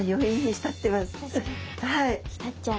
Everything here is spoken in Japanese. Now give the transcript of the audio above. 浸っちゃう。